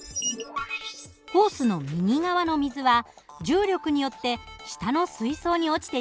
ホースの右側の水は重力によって下の水槽に落ちていきます。